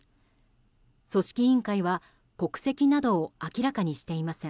組織委員会は国籍などを明らかにしていません。